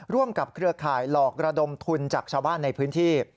กับเครือข่ายหลอกระดมทุนจากชาวบ้านในพื้นที่